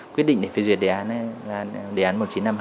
quyết định để phê duyệt đề án một nghìn chín trăm năm mươi hai